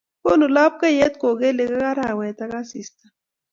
Konu lapkeiyet kogelik ak arawet ak asista